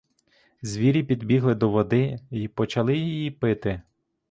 Звірі підбігли до води й почали її пити.